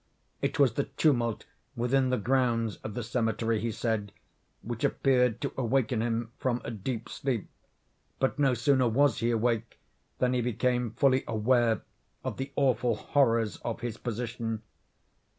It was the tumult within the grounds of the cemetery, he said, which appeared to awaken him from a deep sleep, but no sooner was he awake than he became fully aware of the awful horrors of his position.